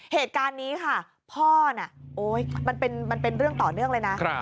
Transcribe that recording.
เหตุการณ์นี้ค่ะพ่อน่ะโอ๊ยมันเป็นเรื่องต่อเนื่องเลยนะ